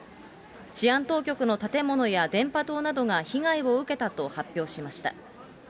治安当局の建物や電波塔などが被害を受けたと発表しました。